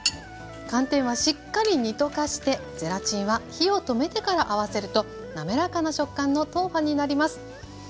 寒天はしっかり煮溶かしてゼラチンは火を止めてから合わせると滑らかな食感の豆花になります。